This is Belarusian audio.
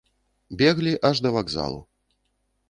Беглі аж да вакзалу.